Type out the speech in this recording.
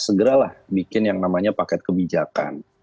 segeralah bikin yang namanya paket kebijakan